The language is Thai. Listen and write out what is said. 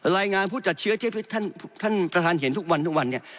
รายงานผู้จัดเชื้อที่ท่านประธานเห็นทุกวันทุกวันเนี่ย